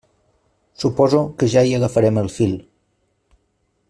Suposo que ja hi agafarem el fil.